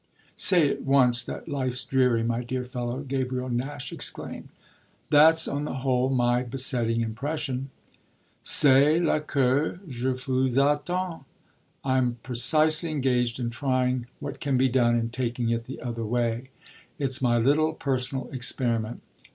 "Say at once that life's dreary, my dear fellow!" Gabriel Nash exclaimed. "That's on the whole my besetting impression." "Cest là que je vous attends! I'm precisely engaged in trying what can be done in taking it the other way. It's my little personal experiment.